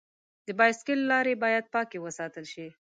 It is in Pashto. د بایسکل لارې باید پاکې وساتل شي.